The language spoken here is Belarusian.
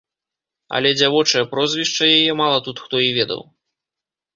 Але дзявочае прозвішча яе мала тут хто і ведаў.